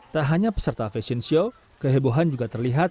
tak hanya peserta fashion show kehebohan juga terlihat